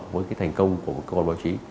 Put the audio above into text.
với cái thành công của một cơ quan báo chí